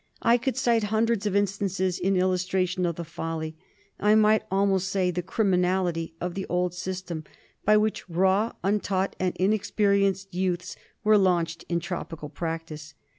I could cite hundreds of instances in illustration of the folly, I might almost say the criminality, of the old system, by which raw, untaught, and inexperienced youths were launched in tropical practice.